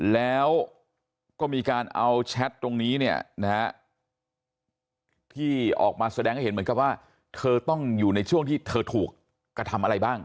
แล้วก็มีการเอาแชทตรงนี้เนี่ยนะฮะที่ออกมาแสดงให้เห็นเหมือนกับว่าเธอต้องอยู่ในช่วงที่เธอถูกกระทำอะไรบ้าง